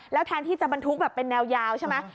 แล้วแทนที่จะบรรทุกแบบเป็นแนวยาวใช่ไหม